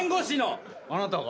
あなたが？